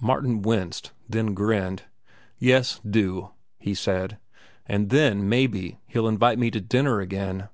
Martin winced, then grinned. "Yes, do," he said. "And then, maybe, he'll invite me to dinner again."